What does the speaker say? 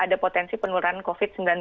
ada potensi penularan covid sembilan belas